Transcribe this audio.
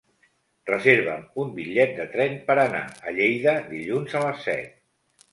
Reserva'm un bitllet de tren per anar a Lleida dilluns a les set.